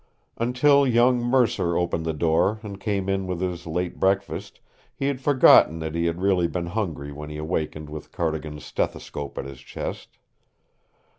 Until young Mercer opened the door and came in with his late breakfast, he had forgotten that he had really been hungry when he awakened with Cardigan's stethoscope at his chest.